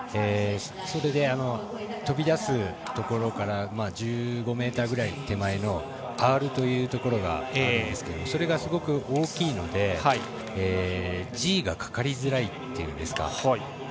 それで、飛び出すところから１５ｍぐらい手前のアールというところがあるんですけどそれがすごく大きいのでＧがかかりづらいっていうんですか。